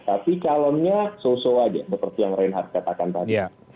tapi calonnya so so aja seperti yang reinhardt katakan tadi